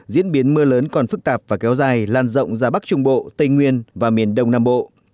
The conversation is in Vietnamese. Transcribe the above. diễn biến mưa lớn còn phức tạp và kéo dài lan rộng ra bắc trung bộ tây nguyên và miền đông nam bộ